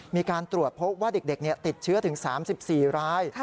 มีการตรวจพบว่าเด็กติดเชื้อถึง๓๔ราย